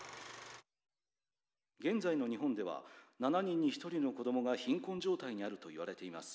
「現在の日本では７人に１人の子供が貧困状態にあるといわれています。